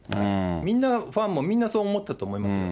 みんな、ファンもみんなそう思ってたと思いますよ。